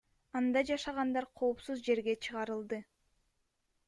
Анда жашагандар коопсуз жерге чыгарылды.